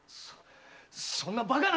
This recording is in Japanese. そんなバカな！